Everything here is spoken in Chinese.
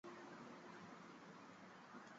他擅长蛙泳项目。